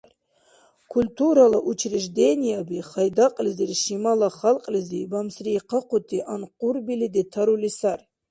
Культурала учреждениеби Хайдакьлизир шимала халкьлизи бамсриихъахъути анкъурбили детарули сари.